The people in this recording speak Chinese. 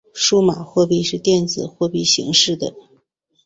数码货币是电子货币形式的。